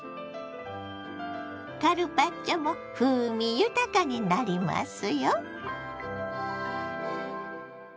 カルパッチョも風味豊かになりますよ。